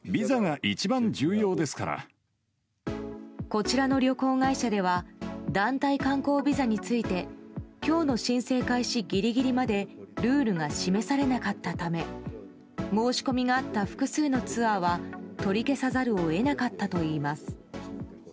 こちらの旅行会社では団体観光ビザについて今日の申請開始ギリギリまでルールが示されなかったため申し込みがあった複数のツアーは取り消さざるを得なかったといいます。